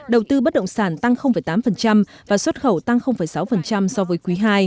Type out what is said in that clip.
đầu tư bất động sản tăng tám và xuất khẩu tăng sáu so với quý ii